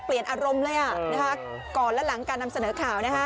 เปลี่ยนอารมณ์เลยอ่ะเออนะคะก่อนแล้วหลังการนำเสนอข่าวนะคะ